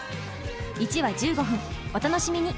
１話１５分お楽しみに！